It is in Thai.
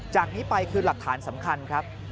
จากนี้ไปคือหลักฐานสำคัญครับ